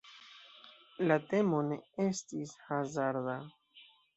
La temo ne estis hazarda.